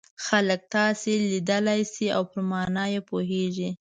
خلک تاسو لیدلای شي او پر مانا یې پوهیږي.